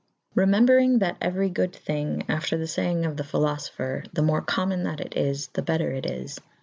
Remembrynge 'that euery goode thynge, after the fayenge of the Phylofopher, the more commune '' that it is the better'* it is.